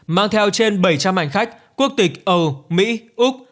mang theo trên bảy trăm linh mảnh khách quốc tịch âu mỹ úc